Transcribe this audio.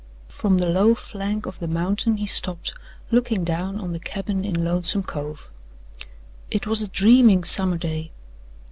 From the low flank of the mountain he stopped, looking down on the cabin in Lonesome Cove. It was a dreaming summer day.